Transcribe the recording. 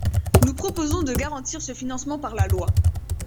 Nous proposons de garantir ce financement par la loi.